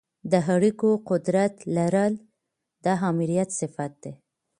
د اړیکو قدرت لرل د آمریت صفت دی.